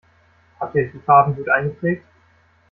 Habt ihr euch die Farben gut eingeprägt?